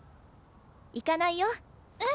行かないよ。え？